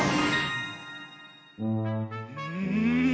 うん！